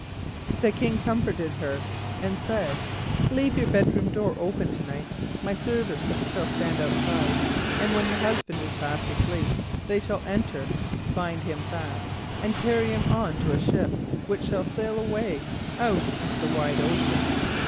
The King comforted her, and said: "Leave your bedroom door open tonight; my servants shall stand outside, and when your husband is fast asleep they shall enter, bind him fast, and carry him on to a ship, which shall sail away out into the wide ocean."